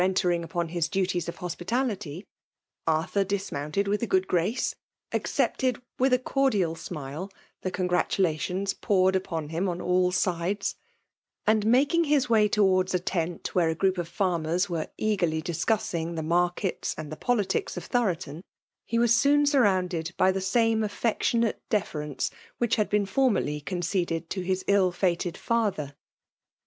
25' entering upon his duties of hospitality, Arthur dismounted with a good grace, accepted, yfiih a cordial smile^ the congratulations poured upon him on all sides, and, making his way towards a tent where a group of farmers were eagerly discussing the markets and the politics of Thoroton, he was soon surrounded by the same affectionate deference which had been formerly conceded to his ill fated father.